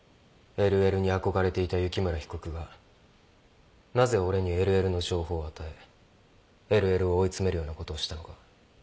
ＬＬに憧れていた雪村被告がなぜ俺にＬＬの情報を与えＬＬを追い詰めるようなことをしたのか。